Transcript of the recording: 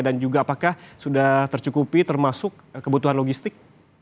dan juga apakah sudah tercukupi termasuk kebutuhan logistik